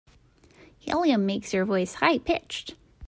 Helium makes your voice high pitched.